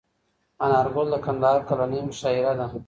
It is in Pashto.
انارګل د کندهار کلنۍ مشاعره ده.